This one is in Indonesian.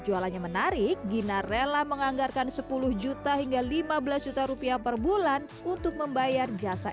jualannya menarik gina rela menganggarkan sepuluh juta hingga lima belas juta rupiah per bulan untuk membayar jasa